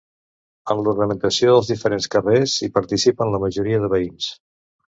En l'ornamentació dels diferents carrers hi participen la majoria de veïns.